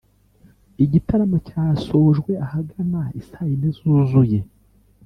Igitaramo cyasojwe ahagana isaa yine zuzuye